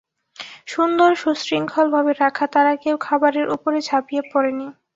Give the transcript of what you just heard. সুন্দর, সুশৃঙ্খল ভাবে রাখা, তারা কেউ খাবারের উপর ঝাঁপিয়ে পড়েনি।